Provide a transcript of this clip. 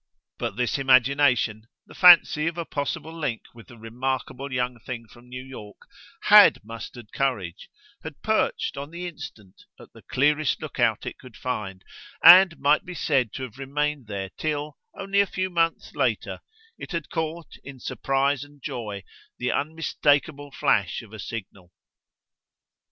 But this imagination the fancy of a possible link with the remarkable young thing from New York HAD mustered courage: had perched, on the instant, at the clearest lookout it could find, and might be said to have remained there till, only a few months later, it had caught, in surprise and joy, the unmistakeable flash of a signal.